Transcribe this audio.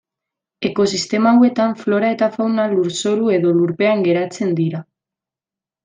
Ekosistema hauetan, flora eta fauna lurzoru edo lurpean garatzen dira.